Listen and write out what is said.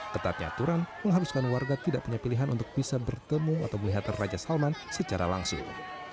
ketatnya aturan menghabiskan warga tidak punya pilihan untuk bisa bertemu atau melihat raja salman secara langsung